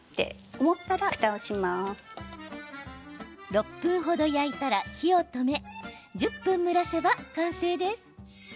６分程、焼いたら火を止め１０分蒸らせば完成です。